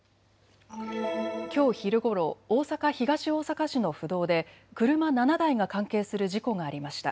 きょう昼ごろ、大阪東大阪市の府道で車７台が関係する事故がありました。